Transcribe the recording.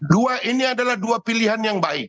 dua ini adalah dua pilihan yang baik